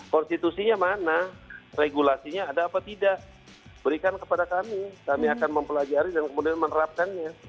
konstitusinya mana regulasinya ada apa tidak berikan kepada kami kami akan mempelajari dan kemudian menerapkannya